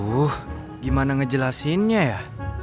aduh gimana ngejelasinnya ya